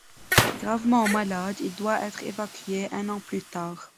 Gravement malade, il doit être évacué un an plus tard.